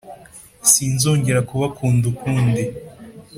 sinzongera kubakunda ukundi,